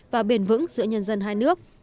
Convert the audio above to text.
và bền vững giữa nhân dân hai nước